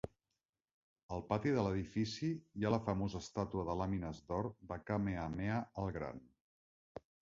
Al pati de l'edifici hi ha la famosa estàtua de làmines d'or de Kamehameha El Gran.